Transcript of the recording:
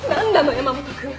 山本君。